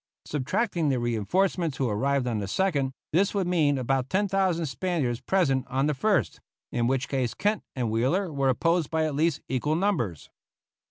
Subtracting the reinforcements who arrived on the 2nd, this would mean about 10,000 Spaniards present on the 1st; in which case Kent and Wheeler were opposed by at least equal numbers.